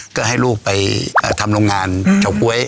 ก็ให้ลูกไปทำโรงงานเฉาก๊วย